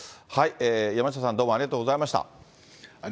山下さん、どうもありがとうございました。